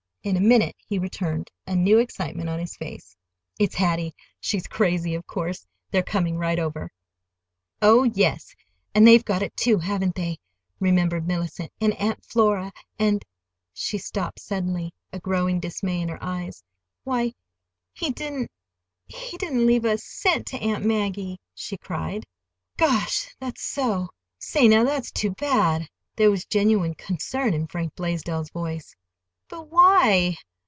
In a minute he returned, a new excitement on his face. "It's Hattie. She's crazy, of course. They're coming right over." "Oh, yes! And they've got it, too, haven't they?" remembered Mellicent. "And Aunt Flora, and—" She stopped suddenly, a growing dismay in her eyes. "Why, he didn't—he didn't leave a cent to Aunt Maggie!" she cried. "Gosh! that's so. Say, now, that's too bad!" There was genuine concern in Frank Blaisdell's voice. "But why?"